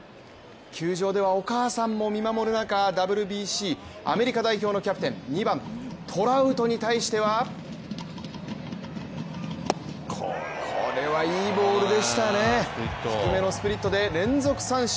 球場ではお母さんも見守る中、ＷＢＣキャプテン、２番・トラウトに対してはこれはいいボールでしたね、低めのスプリットで連続三振。